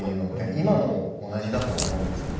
今も同じだと思うんですよね。